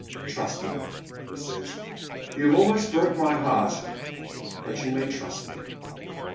" Trust me," he saya. " You have almost broke my heart, but you may trust me."